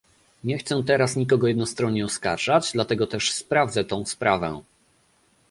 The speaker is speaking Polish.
Nie chcę teraz nikogo jednostronnie oskarżać, dlatego też sprawdzę tą sprawę